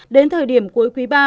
đến thời điểm cuối quý ba